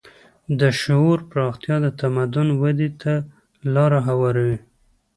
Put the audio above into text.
د شعور پراختیا د تمدن ودې ته لاره هواروي.